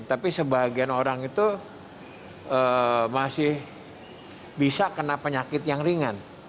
tapi sebagian orang itu masih bisa kena penyakit yang ringan